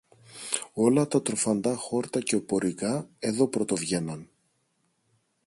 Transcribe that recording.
Όλα τα τροφαντά χόρτα και οπωρικά εδώ πρωτοβγαίναν.